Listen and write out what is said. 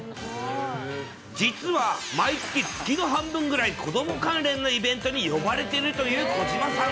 実は、毎月、月の半分ぐらい、子ども関連のイベントに呼ばれているという小島さん。